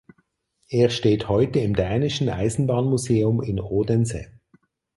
Er steht heute im Dänischen Eisenbahnmuseum in Odense.